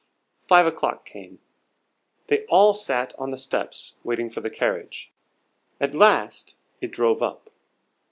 Five o'clock came. They all sat on the steps waiting for the carriage. At last it drove up.